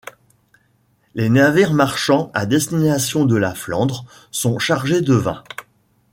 Les navires marchands à destination de la Flandre sont chargés de vin.